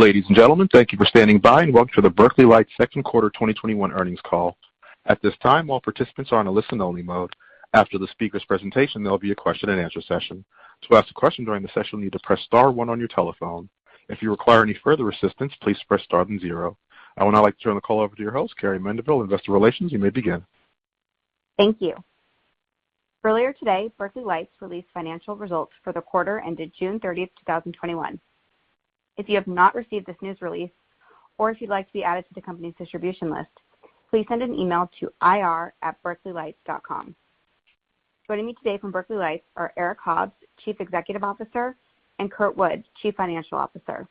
Ladies and gentlemen, thank you for standing by and welcome to the Berkeley Lights second quarter 2021 earnings call. At this time, all participants are on a listen only mode. After the speaker's presentation, there'll be a question-and-answer session. To ask a question during the session, you'll need to press star one on your telephone. If you require any further assistance, please press star then zero. I would now like to turn the call over to your host, Carrie Mendivil, Investor Relations. You may begin. Thank you. Earlier today, Berkeley Lights released financial results for the quarter ended June 30th, 2021. If you have not received this news release or if you'd like to be added to the company's distribution list, please send an email to ir@berkeleylights.com. Joining me today from Berkeley Lights are Eric Hobbs, Chief Executive Officer, and Kurt Wood, Chief Financial Officer.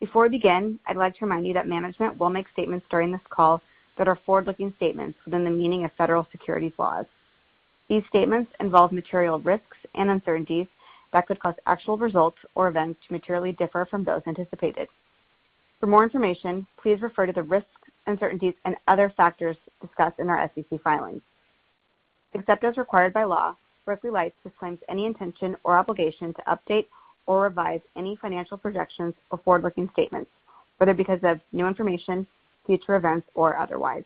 Before we begin, I'd like to remind you that management will make statements during this call that are forward-looking statements within the meaning of federal securities laws. These statements involve material risks and uncertainties that could cause actual results or events to materially differ from those anticipated. For more information, please refer to the risks, uncertainties, and other factors discussed in our SEC filings. Except as required by law, Berkeley Lights disclaims any intention or obligation to update or revise any financial projections or forward-looking statements, whether because of new information, future events, or otherwise.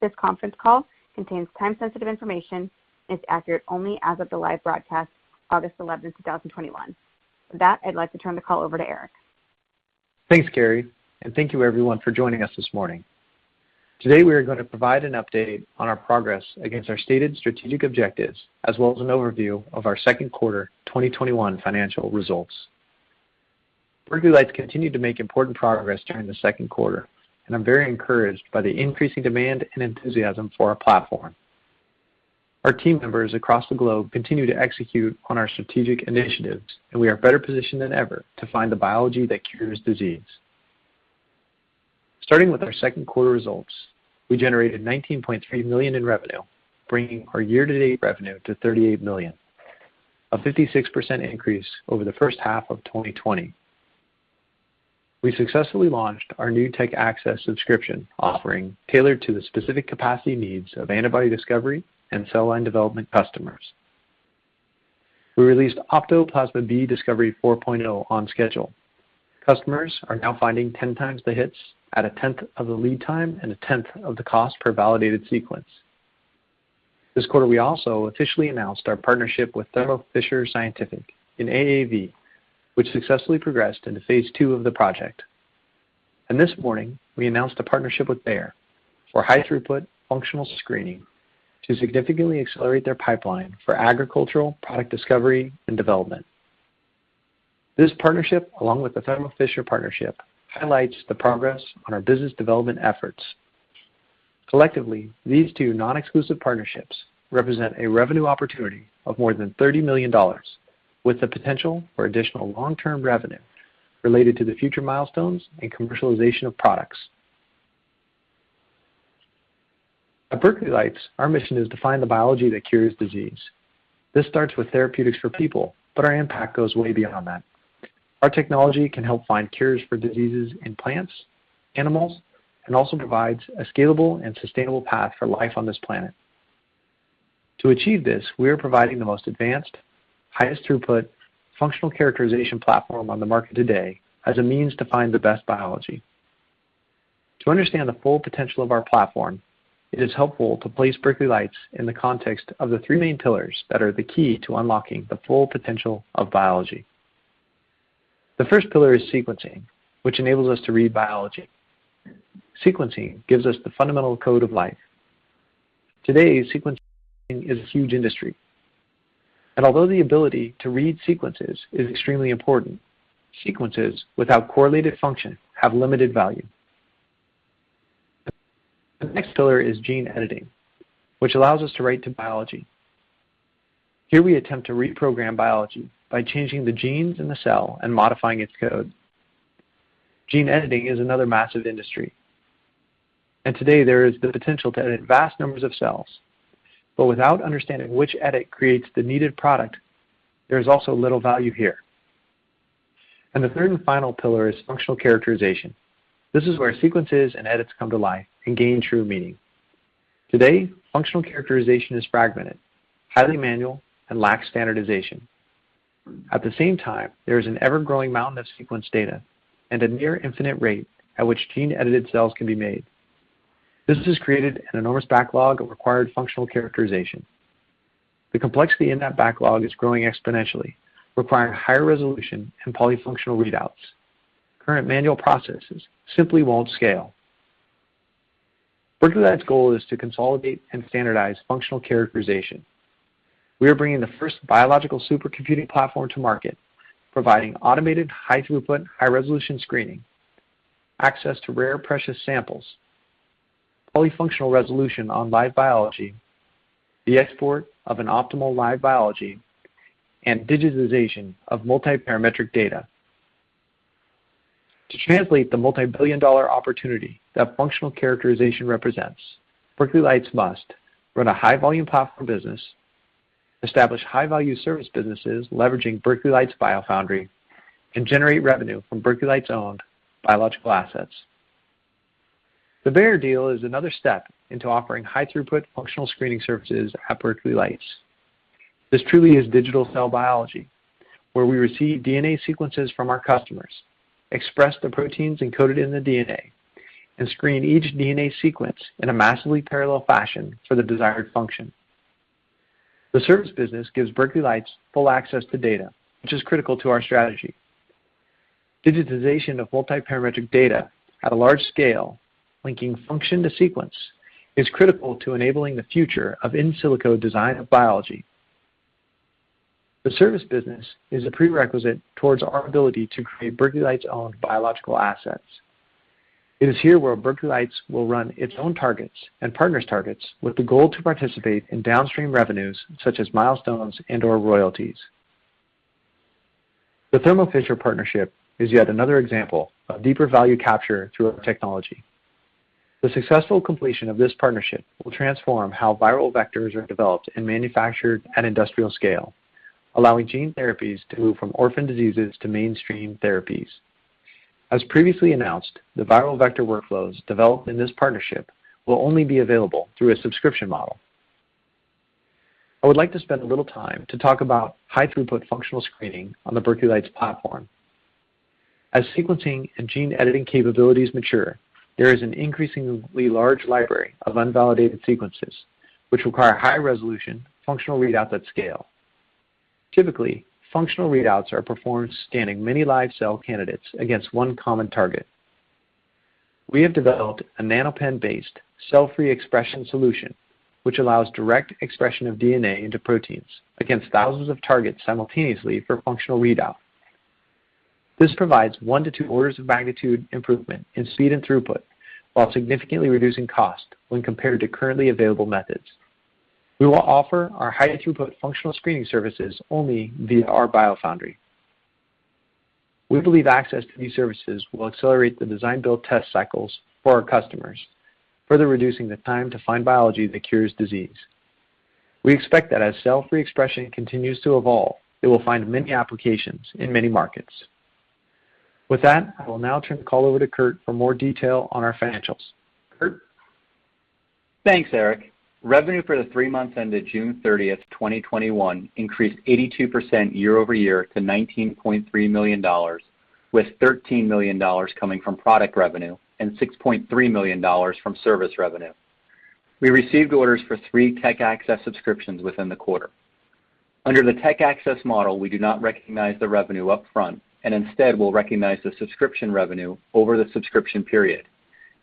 This conference call contains time-sensitive information and is accurate only as of the live broadcast, August 11th, 2021. With that, I'd like to turn the call over to Eric. Thanks, Carrie, and thank you everyone for joining us this morning. Today, we are going to provide an update on our progress against our stated strategic objectives, as well as an overview of our second quarter 2021 financial results. Berkeley Lights continued to make important progress during the second quarter, and I'm very encouraged by the increasing demand and enthusiasm for our platform. Our team members across the globe continue to execute on our strategic initiatives, and we are better positioned than ever to find the biology that cures disease. Starting with our second quarter results, we generated $19.3 million in revenue, bringing our year-to-date revenue to $38 million, a 56% increase over the first half of 2020. We successfully launched our new TechAccess subscription offering tailored to the specific capacity needs of antibody discovery and cell line development customers. We released Opto Plasma B Discovery 4.0 on schedule. Customers are now finding 10 times the hits at a tenth of the lead time and a tenth of the cost per validated sequence. This quarter, we also officially announced our partnership with Thermo Fisher Scientific in AAV, which successfully progressed into phase II of the project. This morning, we announced a partnership with Bayer for high throughput functional screening to significantly accelerate their pipeline for agricultural product discovery and development. This partnership, along with the Thermo Fisher partnership, highlights the progress on our business development efforts. Collectively, these two non-exclusive partnerships represent a revenue opportunity of more than $30 million, with the potential for additional long-term revenue related to the future milestones and commercialization of products. At Berkeley Lights, our mission is to find the biology that cures disease. This starts with therapeutics for people, but our impact goes way beyond that. Our technology can help find cures for diseases in plants, animals, and also provides a scalable and sustainable path for life on this planet. To achieve this, we are providing the most advanced, highest throughput functional characterization platform on the market today as a means to find the best biology. To understand the full potential of our platform, it is helpful to place Berkeley Lights in the context of the three main pillars that are the key to unlocking the full potential of biology. The first pillar is sequencing, which enables us to read biology. Sequencing gives us the fundamental code of life. Today, sequencing is a huge industry. Although the ability to read sequences is extremely important, sequences without correlated function have limited value. The next pillar is gene editing, which allows us to write to biology. Here we attempt to reprogram biology by changing the genes in the cell and modifying its code. gene editing is another massive industry, and today there is the potential to edit vast numbers of cells, but without understanding which edit creates the needed product, there is also little value here. The third and final pillar is functional characterization. This is where sequences and edits come to life and gain true meaning. Today, functional characterization is fragmented, highly manual, and lacks standardization. At the same time, there is an ever-growing mountain of sequence data and a near infinite rate at which gene-edited cells can be made. This has created an enormous backlog of required functional characterization. The complexity in that backlog is growing exponentially, requiring higher resolution and polyfunctional readouts. Current manual processes simply won't scale. Berkeley Lights' goal is to consolidate and standardize functional characterization. We are bringing the first biological supercomputing platform to market, providing automated high throughput, high-resolution screening, access to rare, precious samples, polyfunctional resolution on live biology, the export of an optimal live biology, and digitization of multi-parametric data. To translate the multi-billion dollar opportunity that functional characterization represents, Berkeley Lights must run a high-volume platform business, establish high-value service businesses leveraging Berkeley Lights BioFoundry, and generate revenue from Berkeley Lights-owned biological assets. The Bayer deal is another step into offering high throughput functional screening services at Berkeley Lights. This truly is digital cell biology, where we receive DNA sequences from our customers, express the proteins encoded in the DNA, and screen each DNA sequence in a massively parallel fashion for the desired function. The service business gives Berkeley Lights full access to data, which is critical to our strategy. Digitization of multiparametric data at a large scale, linking function to sequence, is critical to enabling the future of in silico design of biology. The service business is a prerequisite towards our ability to create Berkeley Lights' own biological assets. It is here where Berkeley Lights will run its own targets and partners' targets with the goal to participate in downstream revenues such as milestones and/or royalties. The Thermo Fisher partnership is yet another example of deeper value capture through our technology. The successful completion of this partnership will transform how viral vectors are developed and manufactured at industrial scale, allowing gene therapies to move from orphan diseases to mainstream therapies. As previously announced, the viral vector workflows developed in this partnership will only be available through a subscription model. I would like to spend a little time to talk about high throughput functional screening on the Berkeley Lights platform. As sequencing and gene editing capabilities mature, there is an increasingly large library of unvalidated sequences which require high-resolution functional readouts at scale. Typically, functional readouts are performed scanning many live cell candidates against one common target. We have developed a NanoPen-based cell-free expression solution, which allows direct expression of DNA into proteins against thousands of targets simultaneously for functional readout. This provides one-two orders of magnitude improvement in speed and throughput, while significantly reducing cost when compared to currently available methods. We will offer our high throughput functional screening services only via our BioFoundry. We believe access to these services will accelerate the design-build-test cycles for our customers, further reducing the time to find biology that cures disease. We expect that as cell-free expression continues to evolve, it will find many applications in many markets. With that, I will now turn the call over to Kurt for more detail on our financials. Kurt? Thanks, Eric. Revenue for the three months ended June 30th, 2021 increased 82% year-over-year to $19.3 million, with $13 million coming from product revenue and $6.3 million from service revenue. We received orders for three TechAccess subscriptions within the quarter. Under the TechAccess model, we do not recognize the revenue up front and instead will recognize the subscription revenue over the subscription period,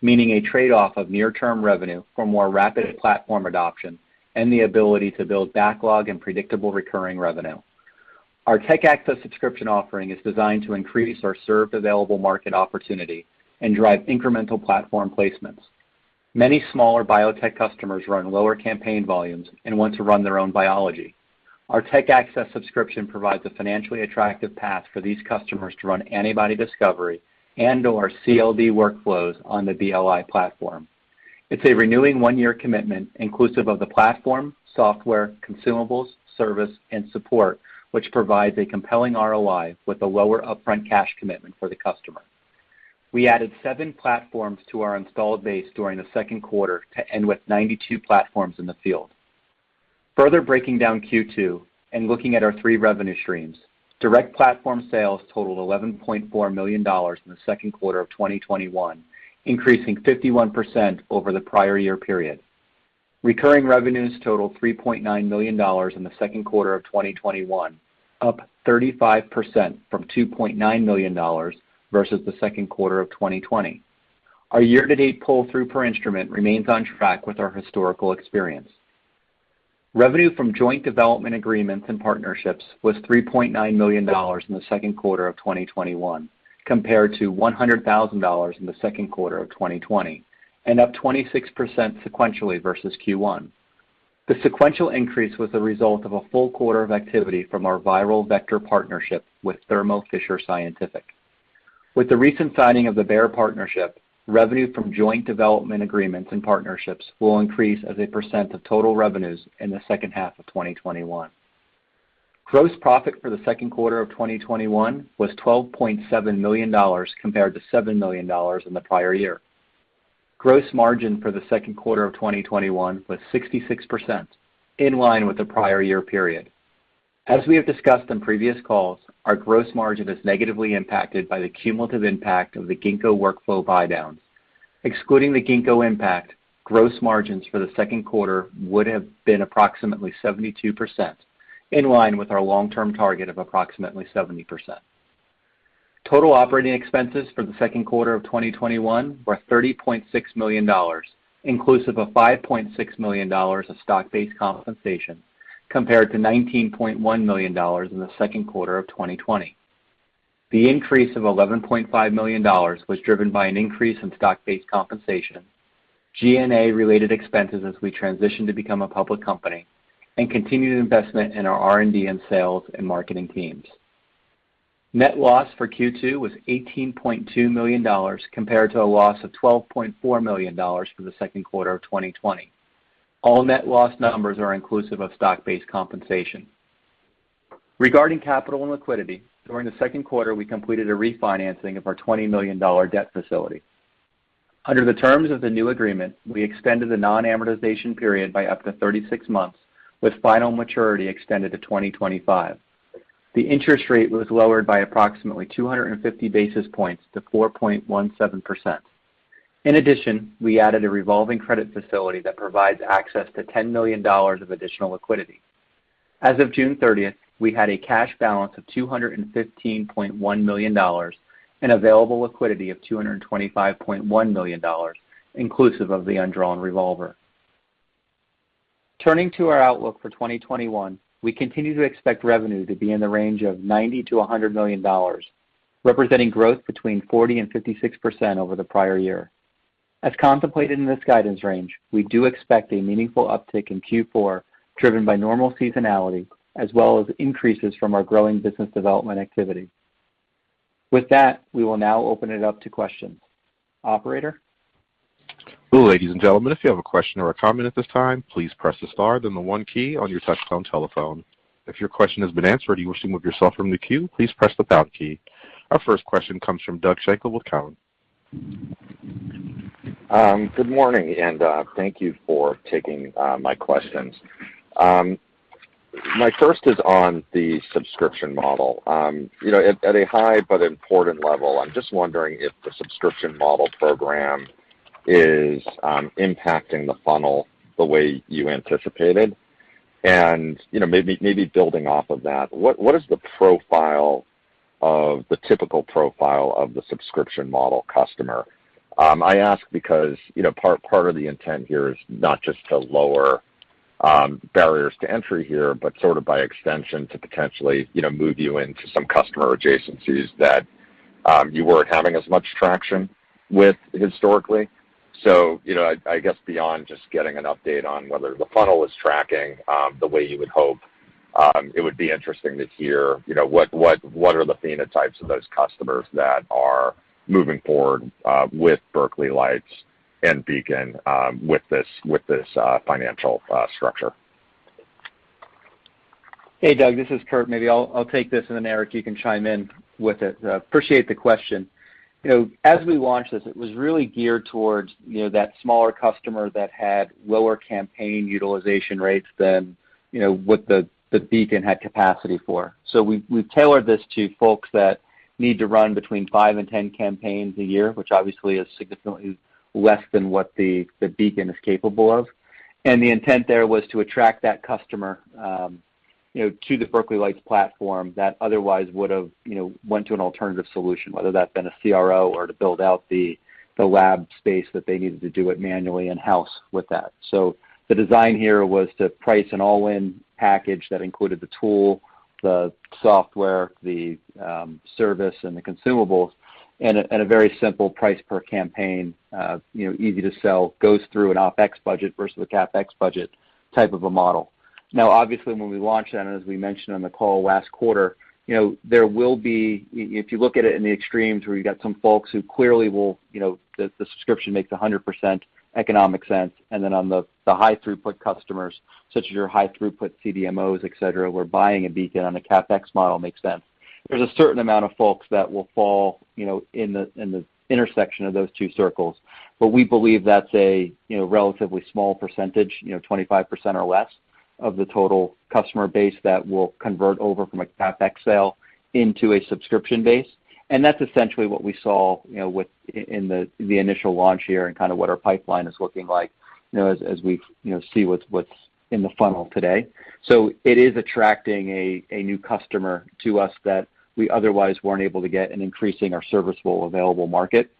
meaning a trade-off of near-term revenue for more rapid platform adoption and the ability to build backlog and predictable recurring revenue. Our TechAccess subscription offering is designed to increase our served available market opportunity and drive incremental platform placements. Many smaller biotech customers run lower campaign volumes and want to run their own biology. Our TechAccess subscription provides a financially attractive path for these customers to run antibody discovery and/or CLD workflows on the BLI platform. It's a renewing one-year commitment inclusive of the platform, software, consumables, service, and support, which provides a compelling ROI with a lower upfront cash commitment for the customer. We added seven platforms to our installed base during the second quarter to end with 92 platforms in the field. Further breaking down Q2 and looking at our three revenue streams, direct platform sales totaled $11.4 million in the second quarter of 2021, increasing 51% over the prior year period. Recurring revenues totaled $3.9 million in the second quarter of 2021, up 35% from $2.9 million versus the second quarter of 2020. Our year-to-date pull through per instrument remains on track with our historical experience. Revenue from joint development agreements and partnerships was $3.9 million in the second quarter of 2021, compared to $100,000 in the second quarter of 2020, and up 26% sequentially versus Q1. The sequential increase was the result of a full quarter of activity from our viral vector partnership with Thermo Fisher Scientific. With the recent signing of the Bayer partnership, revenue from joint development agreements and partnerships will increase as a percent of total revenues in the second half of 2021. Gross profit for the second quarter of 2021 was $12.7 million compared to $7 million in the prior year. Gross margin for the second quarter of 2021 was 66%, in line with the prior year period. As we have discussed on previous calls, our gross margin is negatively impacted by the cumulative impact of the Ginkgo workflow buydowns. Excluding the Ginkgo impact, gross margins for the second quarter would have been approximately 72%, in line with our long-term target of approximately 70%. Total operating expenses for the second quarter of 2021 were $30.6 million, inclusive of $5.6 million of stock-based compensation, compared to $19.1 million in the second quarter of 2020. The increase of $11.5 million was driven by an increase in stock-based compensation, G&A related expenses as we transition to become a public company, and continued investment in our R&D and sales and marketing teams. Net loss for Q2 was $18.2 million compared to a loss of $12.4 million for the second quarter of 2020. All net loss numbers are inclusive of stock-based compensation. Regarding capital and liquidity, during the second quarter, we completed a refinancing of our $20 million debt facility. Under the terms of the new agreement, we extended the non-amortization period by up to 36 months, with final maturity extended to 2025. The interest rate was lowered by approximately 250 basis points to 4.17%. We added a revolving credit facility that provides access to $10 million of additional liquidity. As of June 30th, we had a cash balance of $215.1 million and available liquidity of $225.1 million, inclusive of the undrawn revolver. Turning to our outlook for 2021, we continue to expect revenue to be in the range of $90 million-$100 million, representing growth between 40% and 56% over the prior year. As contemplated in this guidance range, we do expect a meaningful uptick in Q4, driven by normal seasonality as well as increases from our growing business development activity. With that, we will now open it up to questions. Operator? Ladies and gentlemen if you have a question or comment at this time, please press the star and the one key on your telephone. If your question has been answered and you wish to remove yourself from the queue, please press the pound key. Our first question comes from Doug Schenkel with Cowen. Good morning, and thank you for taking my questions. My first is on the subscription model. At a high but important level, I'm just wondering if the subscription model program is impacting the funnel the way you anticipated. Maybe building off of that, what is the typical profile of the subscription model customer? I ask because part of the intent here is not just to lower barriers to entry here, but sort of by extension to potentially move you into some customer adjacencies that you weren't having as much traction with historically. I guess beyond just getting an update on whether the funnel is tracking the way you would hope, it would be interesting to hear what are the phenotypes of those customers that are moving forward with Berkeley Lights and Beacon with this financial structure? Hey, Doug, this is Kurt. Maybe I'll take this, and then Eric, you can chime in with it. Appreciate the question. As we launched this, it was really geared towards that smaller customer that had lower campaign utilization rates than what the Beacon had capacity for. We tailored this to folks that need to run between five and 10 campaigns a year, which obviously is significantly less than what the Beacon is capable of. The intent there was to attract that customer to the Berkeley Lights platform that otherwise would've went to an alternative solution, whether that been a CRO or to build out the lab space that they needed to do it manually in-house with that. The design here was to price an all-in package that included the tool, the software, the service, and the consumables at a very simple price per campaign, easy to sell, goes through an OpEx budget versus a CapEx budget type of a model. Obviously, when we launched that, and as we mentioned on the call last quarter, if you've got some folks who clearly will, the subscription makes 100% economic sense, and then on the high throughput customers, such as your high throughput CDMOs, et cetera, where buying a Beacon on a CapEx model makes sense. There's a certain amount of folks that will fall in the intersection of those two circles. We believe that's a relatively small percentage, 25% or less of the total customer base that will convert over from a CapEx sale into a subscription base. That's essentially what we saw in the initial launch here and kind of what our pipeline is looking like as we see what's in the funnel today. It is attracting a new customer to us that we otherwise weren't able to get and increasing our serviceable available market.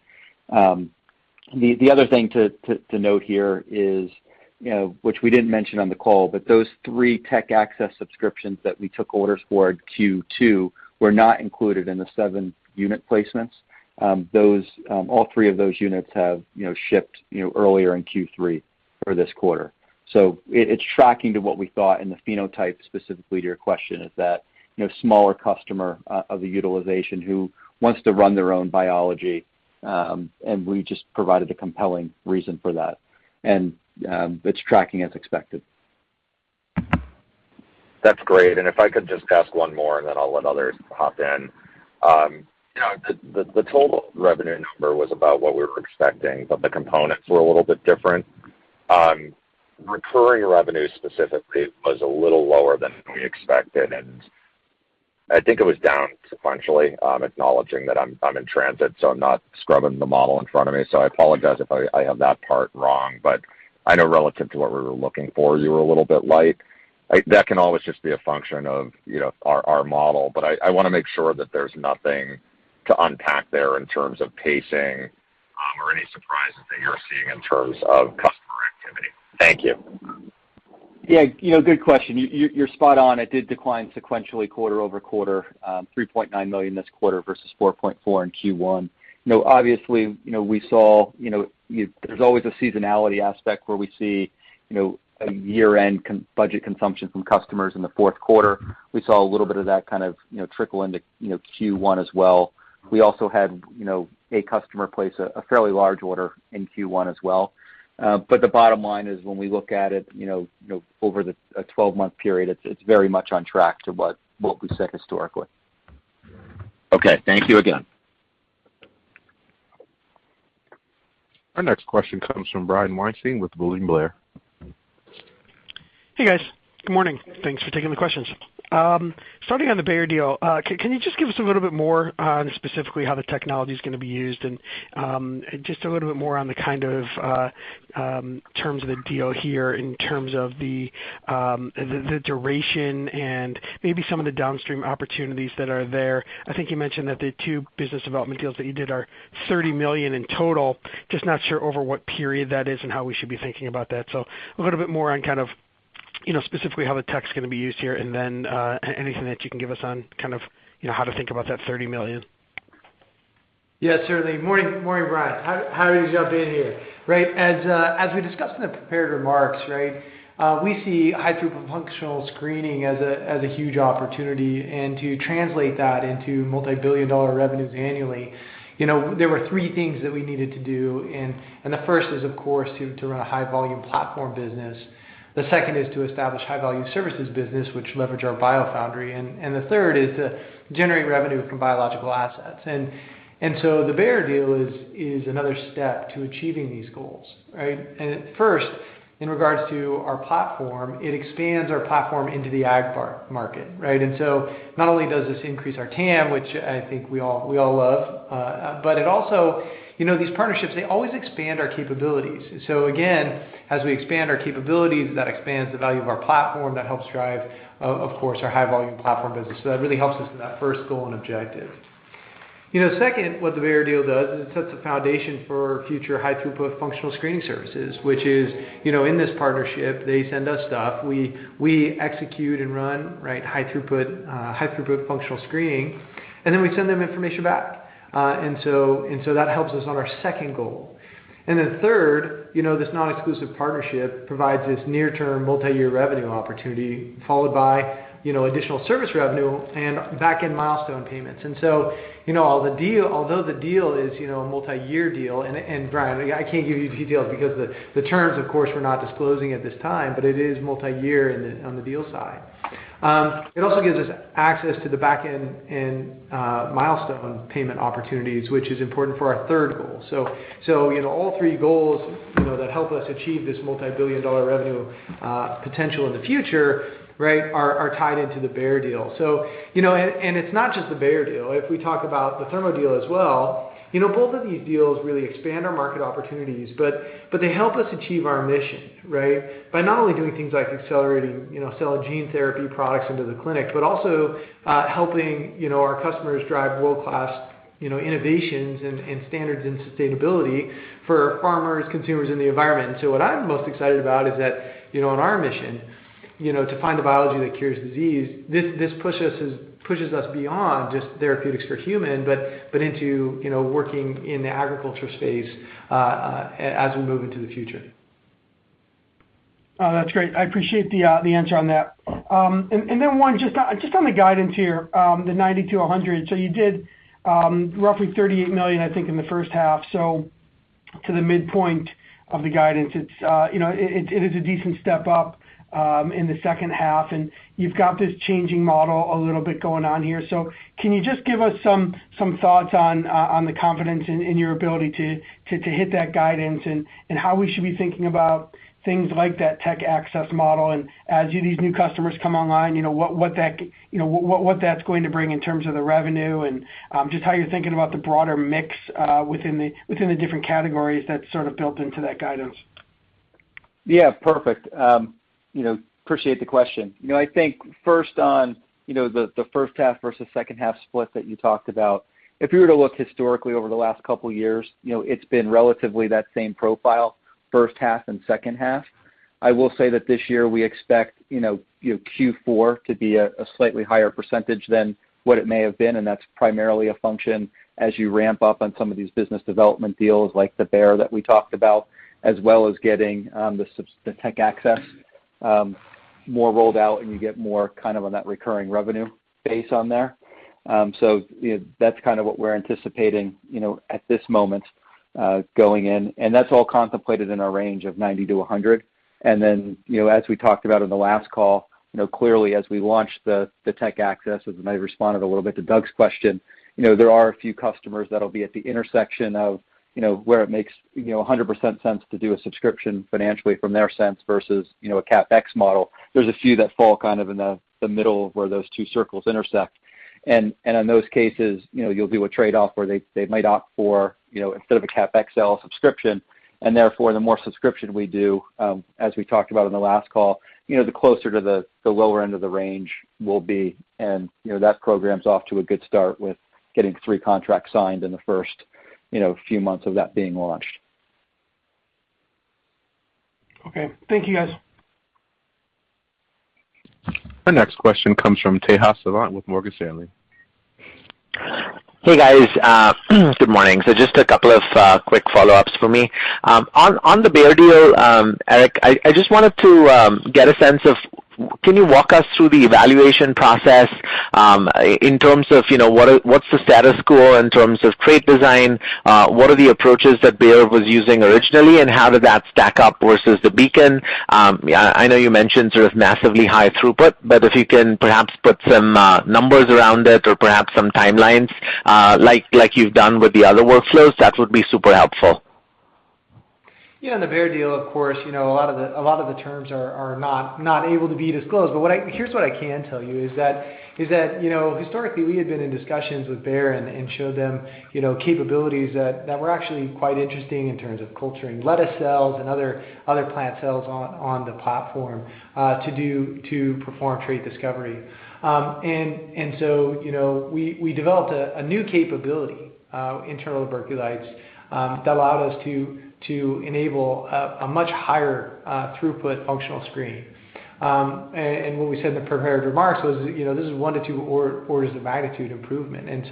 The other thing to note here is, which we didn't mention on the call, but those three TechAccess subscriptions that we took orders for at Q2 were not included in the seven unit placements. All three of those units have shipped earlier in Q3 for this quarter. It's tracking to what we thought in the phenotype, specifically to your question, is that smaller customer of the utilization who wants to run their own biology, and we just provided a compelling reason for that. It's tracking as expected. That's great. If I could just ask one more, and then I'll let others hop in. The total revenue number was about what we were expecting, but the components were a little bit different. Recurring revenue specifically was a little lower than we expected, and I think it was down sequentially, acknowledging that I'm in transit, so I'm not scrubbing the model in front of me. I apologize if I have that part wrong, but I know relative to what we were looking for, you were a little bit light. That can always just be a function of our model, but I want to make sure that there's nothing to unpack there in terms of pacing or any surprises that you're seeing in terms of customer activity. Thank you. Yeah, good question. You're spot on. It did decline sequentially quarter-over-quarter, $3.9 million this quarter versus $4.4 million in Q1. There's always a seasonality aspect where we see a year-end budget consumption from customers in the fourth quarter. We saw a little bit of that kind of trickle into Q1 as well. The bottom line is when we look at it over the 12-month period, it's very much on track to what we said historically. Okay. Thank you again. Our next question comes from Brian Weinstein with William Blair. Hey, guys. Good morning. Thanks for taking the questions. Starting on the Bayer deal, can you just give us a little bit more on specifically how the technology's going to be used and just a little bit more on the terms of the deal here in terms of the duration and maybe some of the downstream opportunities that are there? I think you mentioned that the two business development deals that you did are $30 million in total. Not sure over what period that is and how we should be thinking about that. A little bit more on specifically how the tech's going to be used here and then anything that you can give us on how to think about that $30 million. Yeah, certainly. Morning, Brian. How are you jumping in here? As we discussed in the prepared remarks, we see high-throughput functional screening as a huge opportunity and to translate that into multi-billion dollar revenues annually. There were three things that we needed to do, and the first is, of course, to run a high volume platform business. The second is to establish high volume services business which leverage our BioFoundry. The third is to generate revenue from biological assets. The Bayer deal is another step to achieving these goals. At first, in regards to our platform, it expands our platform into the ag market. Not only does this increase our TAM, which I think we all love, but these partnerships always expand our capabilities. Again, as we expand our capabilities, that expands the value of our platform. That helps drive, of course, our high volume platform business. That really helps us in that first goal and objective. Second, what the Bayer deal does is it sets a foundation for future high-throughput functional screening services. In this partnership, they send us stuff, we execute and run high-throughput functional screening, and then we send them information back. That helps us on our second goal. Third, this non-exclusive partnership provides this near-term multi-year revenue opportunity followed by additional service revenue and backend milestone payments. Although the deal is a multi-year deal and, Brian, I can't give you details because the terms, of course, we're not disclosing at this time, but it is multi-year on the deal side. It also gives us access to the backend and milestone payment opportunities, which is important for our third goal. All three goals that help us achieve this multi-billion dollar revenue potential in the future are tied into the Bayer deal. It's not just the Bayer deal. If we talk about the Thermo deal as well, both of these deals really expand our market opportunities, but they help us achieve our mission. By not only doing things like accelerating cell gene therapy products into the clinic, but also helping our customers drive world-class innovations and standards in sustainability for farmers, consumers in the environment. What I'm most excited about is that in our mission to find the biology that cures disease, this pushes us beyond just therapeutics for human, but into working in the agriculture space as we move into the future. That's great. I appreciate the answer on that. One just on the guidance here, the $90 million-$100 million. You did roughly $38 million, I think, in the first half. To the midpoint of the guidance, it is a decent step up in the second half, and you've got this changing model a little bit going on here. Can you just give us some thoughts on the confidence in your ability to hit that guidance and how we should be thinking about things like that TechAccess model and as these new customers come online, what that's going to bring in terms of the revenue and just how you're thinking about the broader mix within the different categories that's sort of built into that guidance? Yeah, perfect. Appreciate the question. I think first on the first half versus second half split that you talked about, if you were to look historically over the last couple of years, it's been relatively that same profile, first half and second half. I will say that this year we expect Q4 to be a slightly higher percentage than what it may have been. That's primarily a function as you ramp up on some of these business development deals like the Bayer that we talked about, as well as getting the TechAccess more rolled out and you get more on that recurring revenue base on there. That's what we're anticipating at this moment going in. That's all contemplated in our range of $90 million-$100 million. As we talked about in the last call, clearly as we launched the TechAccess, as I responded a little bit to Doug's question, there are a few customers that'll be at the intersection of where it makes 100% sense to do a subscription financially from their sense versus a CapEx model. There's a few that fall in the middle of where those two circles intersect. In those cases, you'll do a trade-off where they might opt for instead of a CapEx sale subscription, therefore the more subscription we do, as we talked about in the last call, the closer to the lower end of the range we'll be. That program's off to a good start with getting three contracts signed in the first few months of that being launched. Okay. Thank you, guys. Our next question comes from Tejas Savant with Morgan Stanley. Hey, guys. Good morning. Just a couple of quick follow-ups for me. On the Bayer deal, Eric, I just wanted to get a sense of can you walk us through the evaluation process in terms of what's the status quo in terms of trait design? What are the approaches that Bayer was using originally, and how did that stack up versus the Beacon? I know you mentioned sort of massively high throughput, but if you can perhaps put some numbers around it or perhaps some timelines like you've done with the other workflows, that would be super helpful. The Bayer deal, of course, a lot of the terms are not able to be disclosed, but here's what I can tell you is that historically we had been in discussions with Bayer and showed them capabilities that were actually quite interesting in terms of culturing lettuce cells and other plant cells on the platform to perform trait discovery. We developed a new capability internal to Berkeley Lights that allowed us to enable a much higher throughput functional screen. What we said in the prepared remarks was this is one-two orders of magnitude improvement. In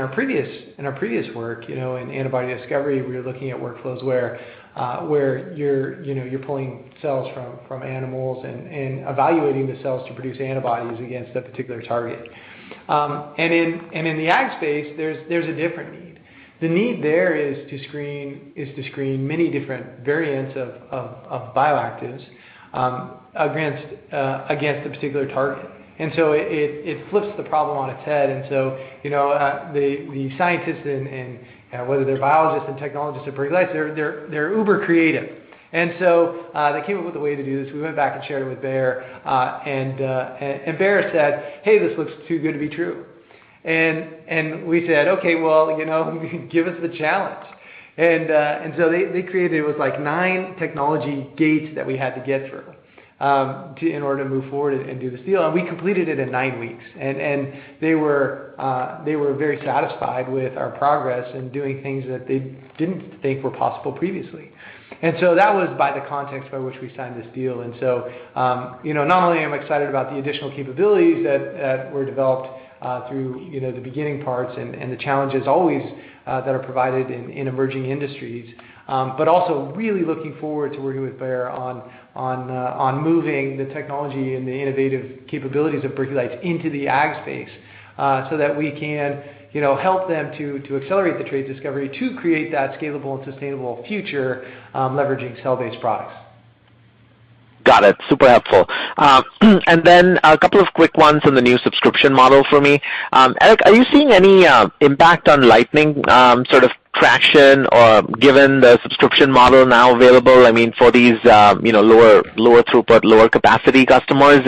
our previous work in antibody discovery, we were looking at workflows where you're pulling cells from animals and evaluating the cells to produce antibodies against a particular target. In the ag space, there's a different need. The need there is to screen many different variants of bioactives against a particular target. It flips the problem on its head, and so the scientists, whether they're biologists and technologists at Berkeley Lights, they're uber creative. They came up with a way to do this. We went back and shared it with Bayer, and Bayer said, Hey, this looks too good to be true. We said, Okay, well, give us the challenge. They created, it was nine technology gates that we had to get through in order to move forward and do this deal, and we completed it in nine weeks. They were very satisfied with our progress in doing things that they didn't think were possible previously. That was by the context by which we signed this deal. Not only am I excited about the additional capabilities that were developed through the beginning parts and the challenges always that are provided in emerging industries, but also really looking forward to working with Bayer on moving the technology and the innovative capabilities of Berkeley Lights into the ag space so that we can help them to accelerate the trait discovery to create that scalable and sustainable future leveraging cell-based products. Got it. Super helpful. A couple of quick ones on the new subscription model for me. Eric, are you seeing any impact on Lightning sort of traction or given the subscription model now available, for these lower throughput, lower capacity customers?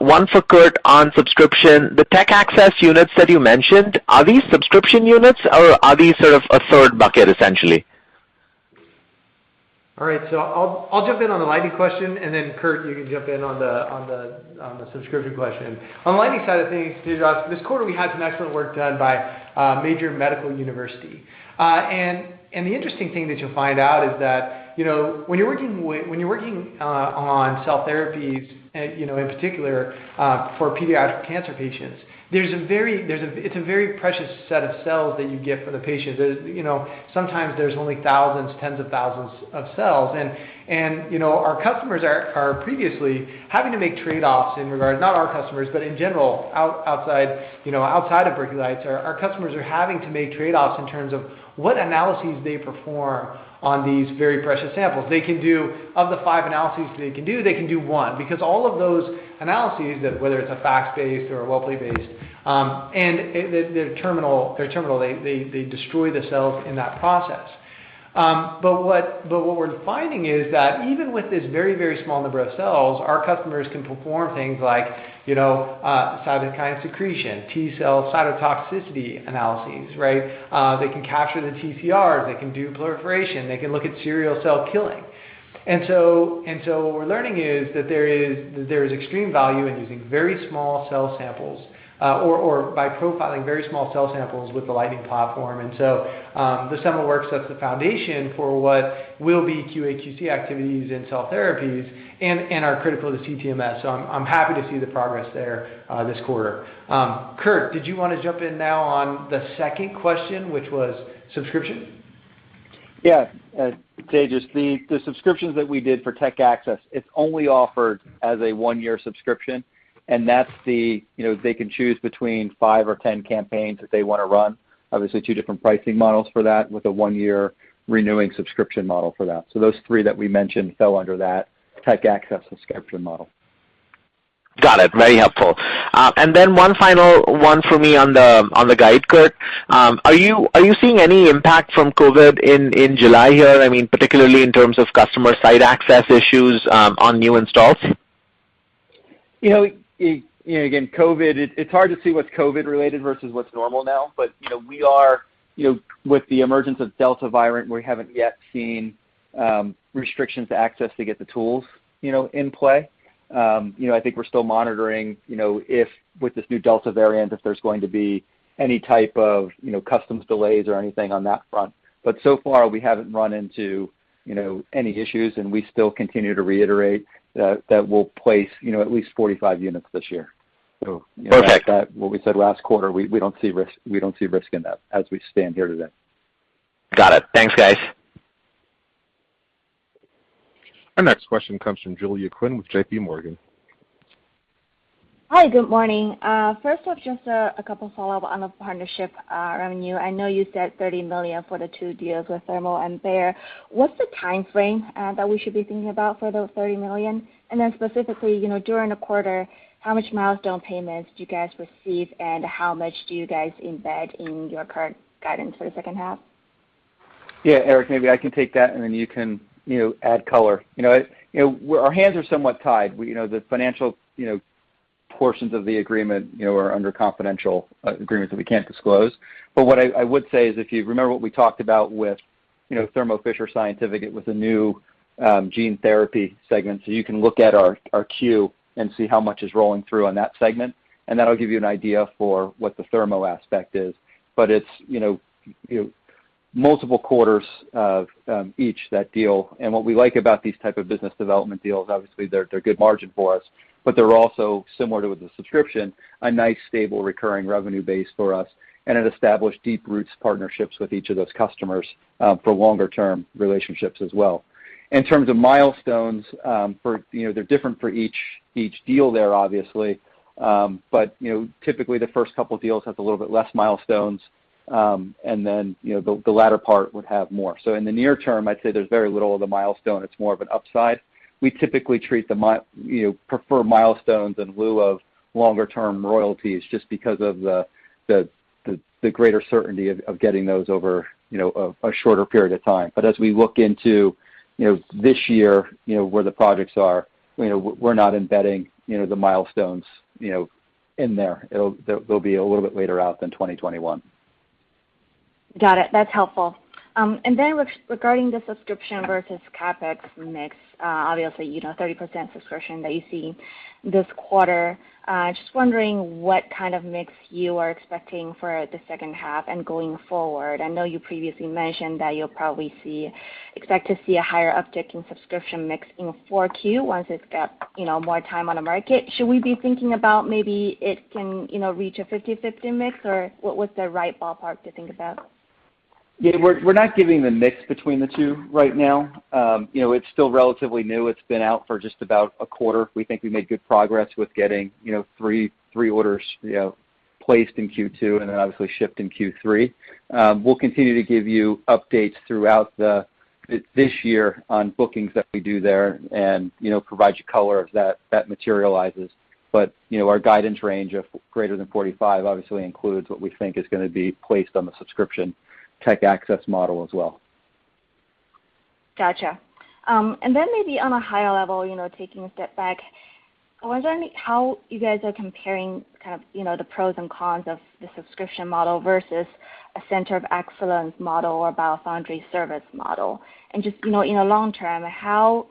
One for Kurt on subscription. The TechAccess units that you mentioned, are these subscription units, or are these sort of a third bucket essentially? All right. I'll jump in on the Lightning question, and then Kurt, you can jump in on the subscription question. On the Lightning side of things, Tejas, this quarter we had some excellent work done by a major medical university. The interesting thing that you'll find out is that when you're working on cell therapies, in particular for pediatric cancer patients, it's a very precious set of cells that you get for the patient. Sometimes there's only thousands, tens of thousands of cells, and our customers are previously having to make trade-offs in regards, not our customers, but in general, outside of Berkeley Lights, our customers are having to make trade-offs in terms of what analyses they perform on these very precious samples. Of the five analyses that they can do, they can do one, because all of those analyses, whether it's a FACS-based or a Western blot-based, and they're terminal. They destroy the cells in that process. But what we're finding is that even with this very, very small number of cells, our customers can perform things like cytokine secretion, T-cell cytotoxicity analyses, right? They can capture the TCRs, they can do proliferation, they can look at serial cell killing. What we're learning is that there is extreme value in using very small cell samples or by profiling very small cell samples with the Lightning platform. The summer work sets the foundation for what will be QA/QC activities in cell therapies and are critical to CTMS. I'm happy to see the progress there this quarter. Kurt, did you want to jump in now on the second question, which was subscription? Yeah. Tejas, the subscriptions that we did for TechAccess, it's only offered as a oneyear subscription, and they can choose between five or 10 campaigns that they want to run. Obviously, two different pricing models for that with a one year renewing subscription model for that. Those three that we mentioned fell under that TechAccess subscription model. Got it. Very helpful. One final one for me on the guide, Kurt. Are you seeing any impact from COVID in July here, particularly in terms of customer site access issues on new installs? COVID, it's hard to see what's COVID related versus what's normal now. With the emergence of Delta variant, we haven't yet seen restrictions to access to get the tools in play. I think we're still monitoring if with this new Delta variant, if there's going to be any type of customs delays or anything on that front. So far we haven't run into any issues, and we still continue to reiterate that we'll place at least 45 units this year. Perfect. What we said last quarter, we don't see risk in that as we stand here today. Got it. Thanks, guys. Our next question comes from Julia Qin with JPMorgan. Hi, good morning. First off, just a couple follow-up on the partnership revenue. I know you said $30 million for the two deals with Thermo and Bayer. What's the timeframe that we should be thinking about for those $30 million? Specifically, during the quarter, how much milestone payments do you guys receive, and how much do you guys embed in your current guidance for the second half? Yeah, Eric, maybe I can take that and then you can add color. Our hands are somewhat tied. The financial portions of the agreement are under confidential agreement, so we can't disclose. What I would say is, if you remember what we talked about with Thermo Fisher Scientific, it was a new gene therapy segment. You can look at our Q and see how much is rolling through on that segment, and that'll give you an idea for what the Thermo aspect is. It's multiple quarters of each, that deal. What we like about these type of business development deals, obviously, they're good margin for us, they're also similar to with the subscription, a nice, stable, recurring revenue base for us, and it established deep roots partnerships with each of those customers for longer term relationships as well. In terms of milestones, they're different for each deal there, obviously. Typically, the first couple deals have a little bit less milestones, and then the latter part would have more. In the near term, I'd say there's very little of the milestone. It's more of an upside. We typically prefer milestones in lieu of longer term royalties just because of the greater certainty of getting those over a shorter period of time. As we look into this year, where the projects are, we're not embedding the milestones in there. They'll be a little bit later out than 2021. Got it. That's helpful. Regarding the subscription versus CapEx mix, obviously, 30% subscription that you see this quarter, just wondering what kind of mix you are expecting for the second half and going forward. I know you previously mentioned that you probably expect to see a higher uptick in subscription mix in 4Q once it's got more time on the market. Should we be thinking about maybe it can reach a 50/50 mix, or what's the right ballpark to think about? Yeah, we're not giving the mix between the two right now. It's still relatively new. It's been out for just about a quarter. We think we made good progress with getting three orders placed in Q2 and then obviously shipped in Q3. We'll continue to give you updates throughout this year on bookings that we do there and provide you color as that materializes. Our guidance range of greater than 45 obviously includes what we think is going to be placed on the subscription TechAccess model as well. Got you. Maybe on a higher level, taking a step back, I was wondering how you guys are comparing the pros and cons of the subscription model versus a center of excellence model or BioFoundry service model. In the long term, how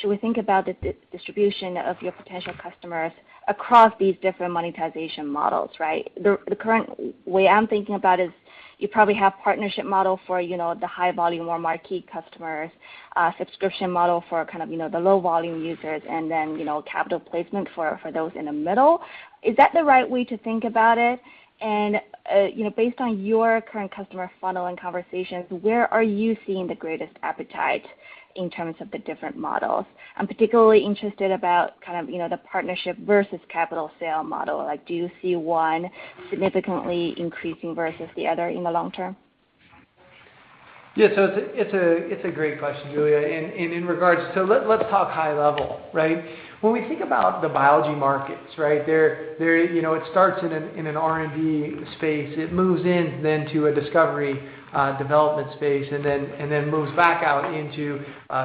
should we think about the distribution of your potential customers across these different monetization models, right? The current way I'm thinking about is you probably have partnership model for the high volume or marquee customers, subscription model for the low volume users, and then capital placement for those in the middle. Is that the right way to think about it? Based on your current customer funnel and conversations, where are you seeing the greatest appetite in terms of the different models? I'm particularly interested about the partnership versus capital sale model. Do you see one significantly increasing versus the other in the long term? Yeah. It's a great question, Julia. Let's talk high level, right? When we think about the biology markets, it starts in an R&D space. It moves in then to a discovery development space, and then moves back out into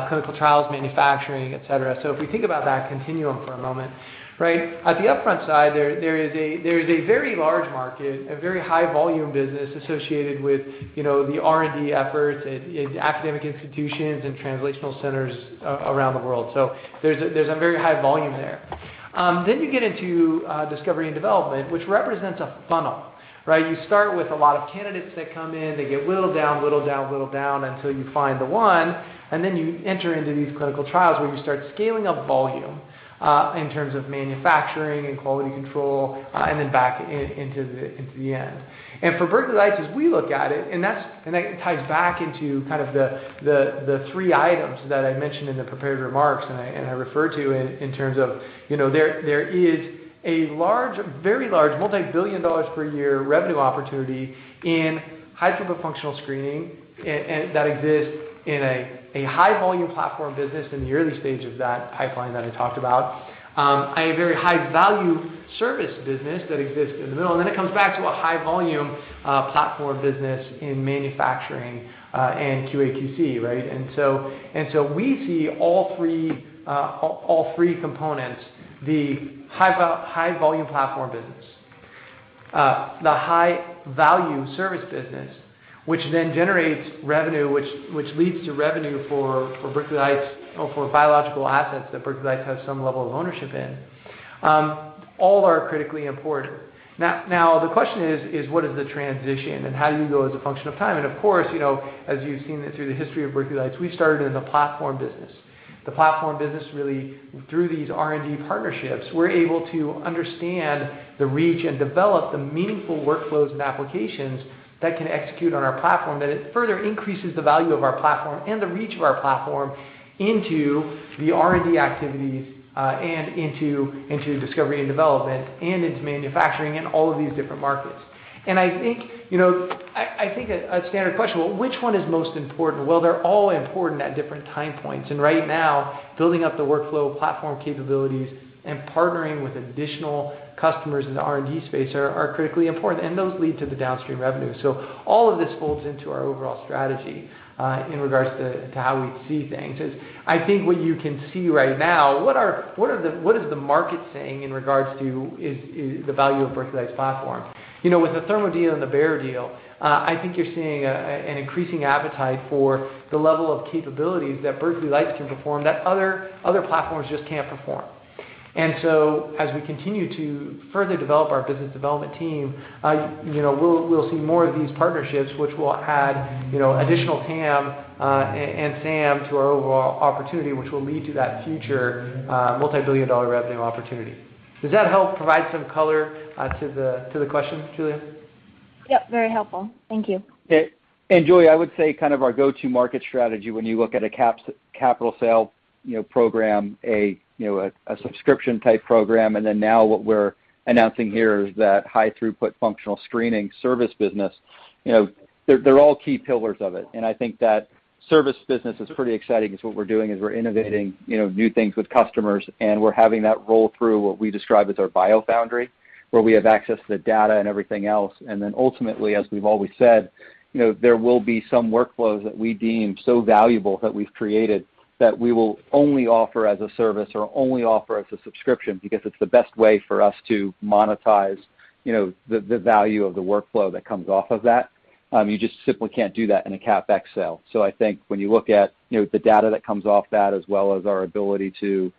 clinical trials, manufacturing, et cetera. If we think about that continuum for a moment, at the upfront side, there is a very large market, a very high volume business associated with the R&D efforts at academic institutions and translational centers around the world. There's a very high volume there. You get into discovery and development, which represents a funnel, right? You start with a lot of candidates that come in, they get whittled down until you find the one, and then you enter into these clinical trials where you start scaling up volume in terms of manufacturing and quality control and then back into the end. For Berkeley Lights, as we look at it, and that ties back into the three items that I mentioned in the prepared remarks and I refer to in terms of there is a very large, multi-billion dollars per year revenue opportunity in high throughput functional screening that exists in a high volume platform business in the early stage of that pipeline that I talked about, a very high value service business that exists in the middle, and then it comes back to a high volume platform business in manufacturing and QA/QC, right? So we see all three components, the high volume platform business, the high value service business, which leads to revenue for biological assets that Berkeley Lights has some level of ownership in. All are critically important. The question is, what is the transition and how do you go as a function of time? Of course, as you've seen through the history of Berkeley Lights, we started as a platform business. The platform business, really, through these R&D partnerships, we're able to understand the reach and develop the meaningful workflows and applications that can execute on our platform, that it further increases the value of our platform and the reach of our platform into the R&D activities and into discovery and development and into manufacturing and all of these different markets. I think a standard question, well, which one is most important? Well, they're all important at different time points, and right now building up the workflow platform capabilities and partnering with additional customers in the R&D space are critically important, and those lead to the downstream revenue. All of this folds into our overall strategy in regards to how we see things. As I think what you can see right now, what is the market saying in regards to the value of Berkeley Lights' platform? With the Thermo deal and the Bayer deal, I think you're seeing an increasing appetite for the level of capabilities that Berkeley Lights can perform that other platforms just can't perform. And so as we continue to further develop our business development team, we'll see more of these partnerships which will add additional TAM and SAM to our overall opportunity, which will lead to that future multi-billion dollar revenue opportunity. Does that help provide some color to the question, Julia? Yep, very helpful. Thank you. Julia, I would say our go-to market strategy when you look at a capital sales program, a subscription type program, now what we're announcing here is that high throughput functional screening service business, they're all key pillars of it. I think that service business is pretty exciting because what we're doing is we're innovating new things with customers, and we're having that roll through what we describe as our BioFoundry, where we have access to the data and everything else. Ultimately, as we've always said, there will be some workflows that we deem so valuable that we've created that we will only offer as a service or only offer as a subscription because it's the best way for us to monetize the value of the workflow that comes off of that. You just simply can't do that in a CapEx sale. I think when you look at the data that comes off that, as well as our ability to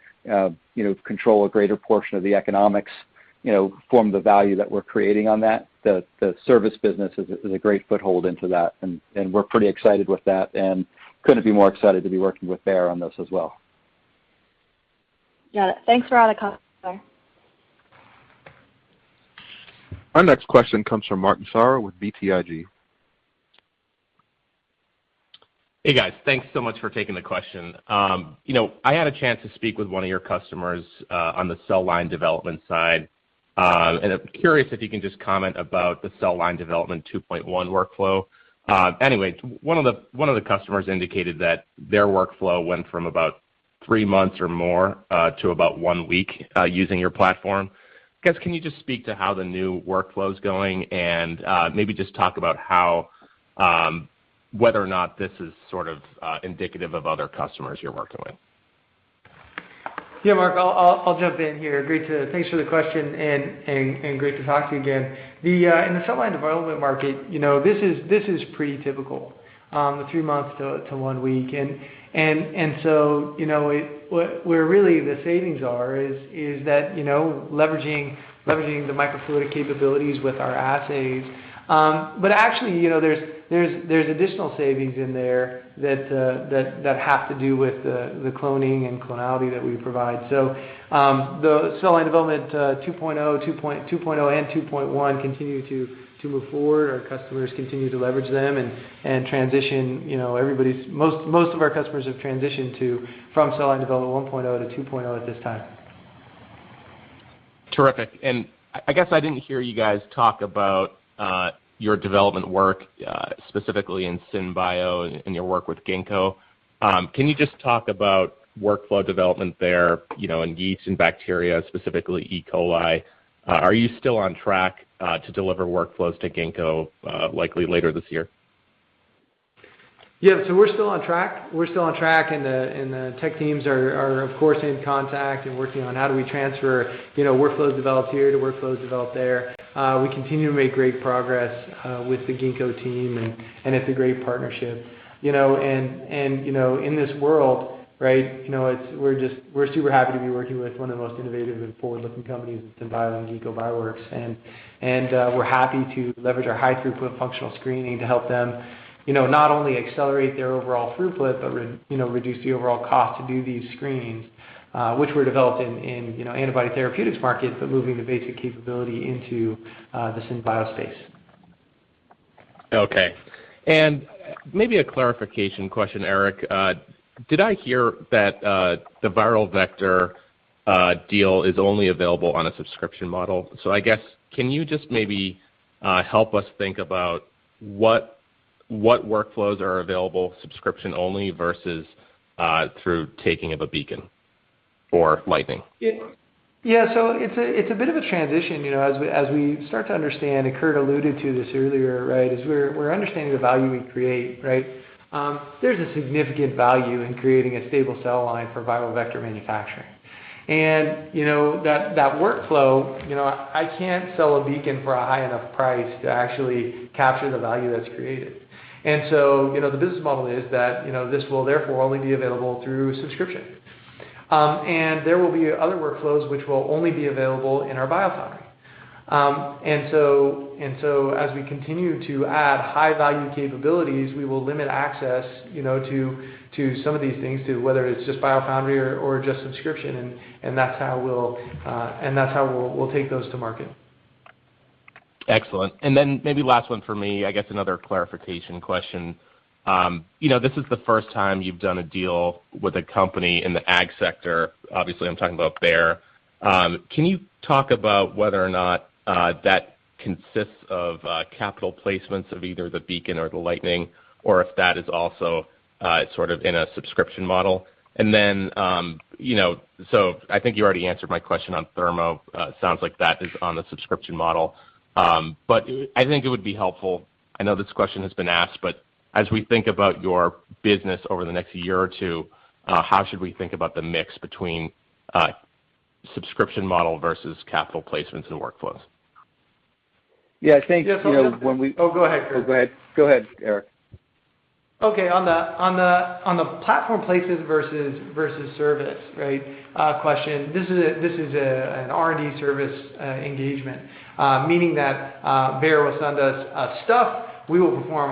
control a greater portion of the economics, form the value that we're creating on that, the service business is a great foothold into that, and we're pretty excited with that and couldn't be more excited to be working with Bayer on this as well. Got it. Thanks for all the color. Our next question comes from Mark Massaro with BTIG. Hey, guys. Thanks so much for taking the question. I had a chance to speak with one of your customers on the cell line development side. I'm curious if you can just comment about the cell line development 2.1 workflow. Anyway, one of the customers indicated that their workflow went from about three months or more to about one week using your platform. I guess, can you just speak to how the new workflow's going and maybe just talk about whether or not this is indicative of other customers you're working with? Yeah, Mark, I'll jump in here. Thanks for the question and great to talk to you again. In the cell line development market, this is pretty typical, the three months to one week. Where really the savings are is that leveraging the microfluidic capabilities with our assays. Actually, there's additional savings in there that have to do with the cloning and clonality that we provide. The cell line development 2.0 and 2.1 continue to move forward. Our customers continue to leverage them and transition. Most of our customers have transitioned from cell line development 1.0 to 2.0 at this time. Terrific. I guess I didn't hear you guys talk about your development work, specifically in SynBio and your work with Ginkgo. Can you just talk about workflow development there, in yeasts and bacteria, specifically E. coli? Are you still on track to deliver workflows to Ginkgo likely later this year? Yeah. We're still on track, and the tech teams are of course, in contact and working on how do we transfer workflows developed here to workflows developed there. We continue to make great progress with the Ginkgo team, and it's a great partnership. In this world, we're super happy to be working with one of the most innovative and forward-looking companies in SynBio and Ginkgo Bioworks. We're happy to leverage our high throughput functional screening to help them not only accelerate their overall throughput but reduce the overall cost to do these screenings, which were developed in antibody therapeutics markets, but moving the basic capability into the SynBio space. Okay. Maybe a clarification question, Eric. Did I hear that the viral vector deal is only available on a subscription model? I guess, can you just maybe help us think about what workflows are available subscription only versus through taking of a Beacon or Lightning? Yeah. It's a bit of a transition as we start to understand, and Kurt alluded to this earlier. As we're understanding the value we create. There's a significant value in creating a stable cell line for viral vector manufacturing. That workflow, I can't sell a Beacon for a high enough price to actually capture the value that's created. The business model is that this will therefore only be available through subscription. There will be other workflows which will only be available in our BioFoundry. As we continue to add high-value capabilities, we will limit access to some of these things, to whether it's just BioFoundry or just subscription, and that's how we'll take those to market. Excellent. Maybe last one for me, I guess another clarification question. This is the first time you've done a deal with a company in the ag sector. Obviously, I'm talking about Bayer. Can you talk about whether or not that consists of capital placements of either the Beacon or the Lightning, or if that is also sort of in a subscription model? Then, I think you already answered my question on Thermo. Sounds like that is on the subscription model. I think it would be helpful, I know this question has been asked, but as we think about your business over the next year or two, how should we think about the mix between a subscription model versus capital placements and workflows? Yeah. Thanks. You know. Oh, go ahead, Kurt. Go ahead, Eric. On the platform versus service question, this is an R&D service engagement, meaning that Bayer will send us stuff, we will perform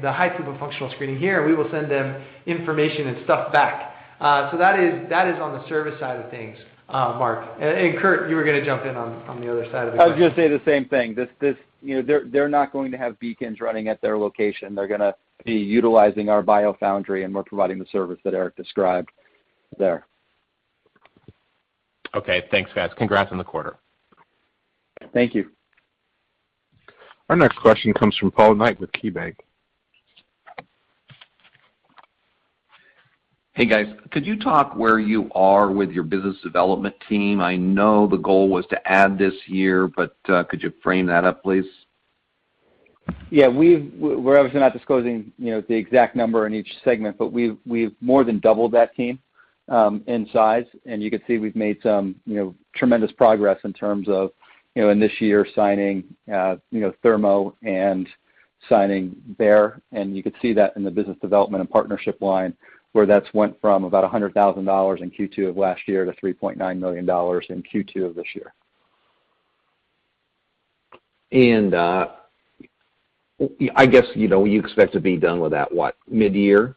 the high throughput functional screening here, and we will send them information and stuff back. That is on the service side of things, Mark. Kurt, you were going to jump in on the other side of the equation. I was going to say the same thing. They're not going to have Beacons running at their location. They're going to be utilizing our BioFoundry, and we're providing the service that Eric described there. Okay. Thanks, guys. Congrats on the quarter. Thank you. Our next question comes from Paul Knight with KeyBanc. Hey, guys. Could you talk where you are with your business development team? I know the goal was to add this year, but could you frame that up, please? Yeah. We're obviously not disclosing the exact number in each segment, but we've more than doubled that team in size, and you can see we've made some tremendous progress in terms of, in this year, signing Thermo and signing Bayer. You could see that in the business development and partnership line, where that's went from about $100,000 in Q2 of last year to $3.9 million in Q2 of this year. I guess you expect to be done with that, what, mid-year?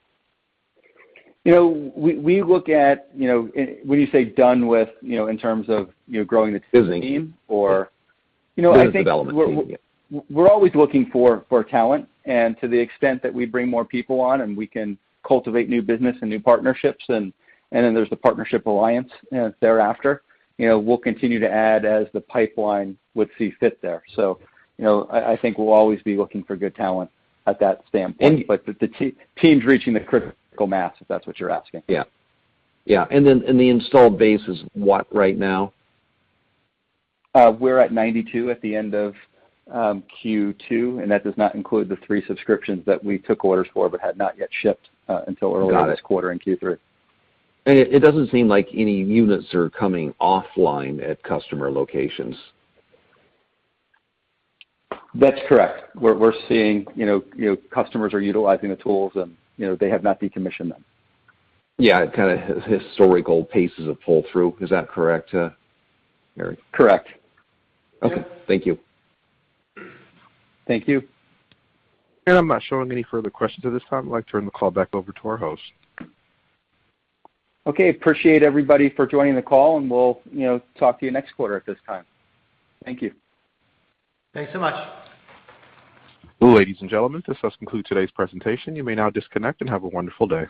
When you say done with, in terms of growing the team or? Business development team, yeah. We're always looking for talent, and to the extent that we bring more people on and we can cultivate new business and new partnerships, and then there's the partnership alliance thereafter. We'll continue to add as the pipeline would see fit there. I think we'll always be looking for good talent at that standpoint. The team's reaching the critical mass, if that's what you're asking. Yeah. The installed base is what right now? We're at 92 at the end of Q2, and that does not include the three subscriptions that we took orders for but had not yet shipped. Got it. this quarter in Q3. It doesn't seem like any units are coming offline at customer locations. That's correct. We're seeing customers are utilizing the tools, and they have not decommissioned them. Yeah, it kind of historical paces of pull-through. Is that correct, Eric? Correct. Okay. Thank you. Thank you. I'm not showing any further questions at this time. I'd like to turn the call back over to our host. Okay. Appreciate everybody for joining the call, and we'll talk to you next quarter at this time. Thank you. Thanks so much. Ladies and gentlemen, this does conclude today's presentation. You may now disconnect, and have a wonderful day.